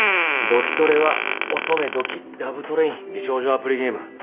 『ドキトレ』は『おとめドキッ♥ラブトレイン』美少女アプリゲーム。